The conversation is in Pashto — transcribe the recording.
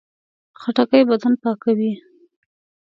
خټکی بدن پاکوي.